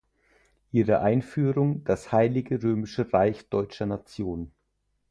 Ihre Einführung "Das Heilige Römische Reich Deutscher Nation.